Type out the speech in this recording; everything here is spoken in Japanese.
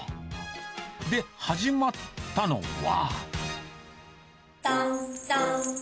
で、始まったのは。